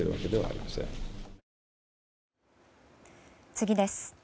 次です。